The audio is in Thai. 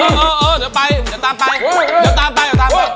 เอาเดี๋ยวตามไป